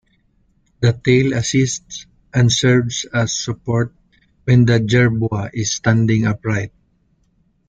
The tail assists and serves as support when the jerboa is standing upright.